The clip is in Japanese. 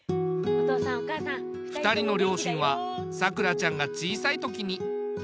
２人の両親はさくらちゃんが小さい時に亡くなってるんだ。